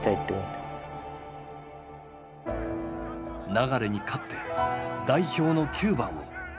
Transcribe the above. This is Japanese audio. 流に勝って代表の９番を。